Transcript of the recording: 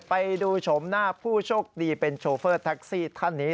ไปดูโฉมหน้าผู้โชคดีเป็นโชเฟอร์แท็กซี่ท่านนี้